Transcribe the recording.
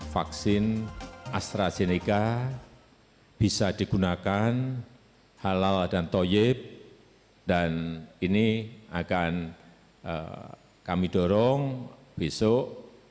vaksin astrazeneca bisa digunakan halal dan toyib dan ini akan kami dorong besok